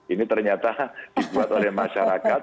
ini ternyata dibuat oleh masyarakat